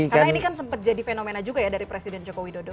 karena ini kan sempat jadi fenomena juga ya dari presiden jokowi dodo